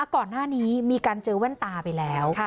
ก่อนหน้านี้มีการเจอแว่นตาไปแล้ว